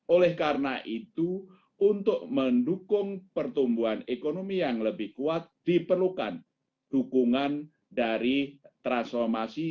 oleh karena itu untuk mendukung pertumbuhan ekonomi yang lebih kuat diperlukan dukungan dari transformasi